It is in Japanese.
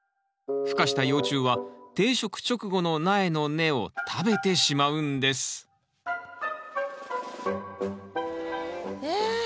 孵化した幼虫は定植直後の苗の根を食べてしまうんですえっ？